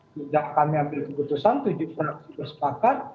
tidak kami ambil keputusan tujuh fraksi bersepakat